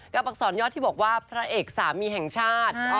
อักษรยอดที่บอกว่าพระเอกสามีแห่งชาติ